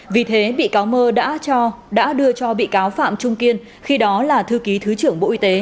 vì thế bị cáo mơ đã cho đã đưa cho bị cáo phạm trung kiên khi đó là thư ký thứ trưởng bộ y tế